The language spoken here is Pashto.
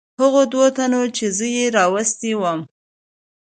هغو دوو تنو چې زه یې راوستی ووم.